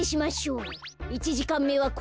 １じかんめはこくご。